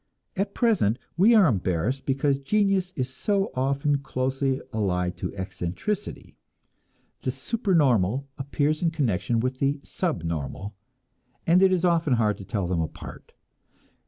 At present we are embarrassed because genius is so often closely allied to eccentricity; the supernormal appears in connection with the subnormal and it is often hard to tell them apart.